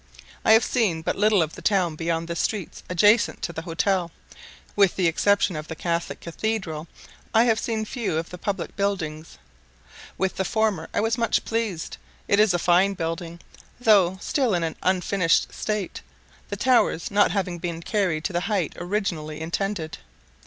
I have seen but little of the town beyond the streets adjacent to the hotel: with the exception of the Catholic Cathedral, I have seen few of the public buildings. With the former I was much pleased: it is a fine building, though still in an unfinished state, the towers not having been carried to the height originally intended.